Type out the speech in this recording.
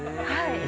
はい。